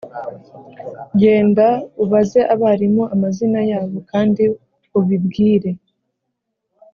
genda ubaze abarimu amazina yabo kandi ubibwire.